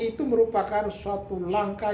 itu merupakan suatu langkah